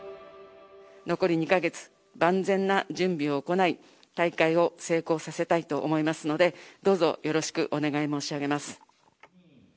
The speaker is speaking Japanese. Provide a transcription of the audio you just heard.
残り２か月、万全な準備を行い、大会を成功させたいと思いますので、どうぞよろしくお願い申し上げます。